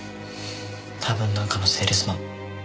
多分なんかのセールスマン。